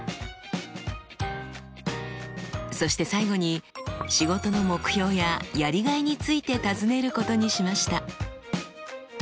そして最後に仕事の目標ややりがいについて尋ねることにしました。